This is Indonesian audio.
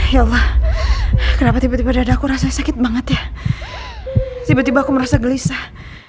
yalah kenapa tiba tiba dada aku rasa sakit banget ya tiba tiba aku merasa gelisah